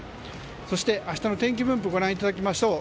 そして明日の天気分布をご覧いただきましょう。